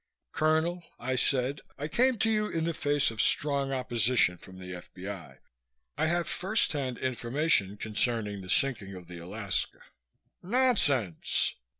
"Colonel," I said. "I came to you in the face of strong opposition from the F.B.I. I have first hand information concerning the sinking of the Alaska." "Nonsense!"